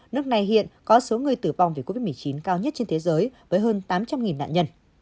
nước này hiện có số người tử vong vì covid một mươi chín cao nhất trên thế giới với hơn tám trăm linh nạn nhân